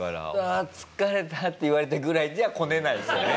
「ああ疲れた」って言われたぐらいじゃコネないんですね。